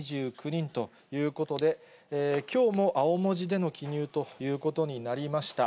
３９２９人ということで、きょうも青文字での記入ということになりました。